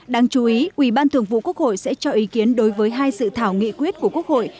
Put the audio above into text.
đáng chú ý ủy ban thường vụ quốc hội sẽ cho ý kiến đối với hai sự thảo nghị quyết của quốc hội